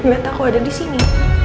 kaget liat aku ada disini